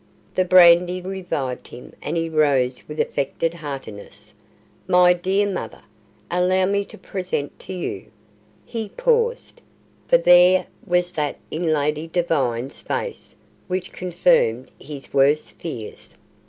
The brandy revived him, and he rose with affected heartiness. "My dear mother, allow me to present to you " He paused, for there was that in Lady Devine's face which confirmed his worst fears.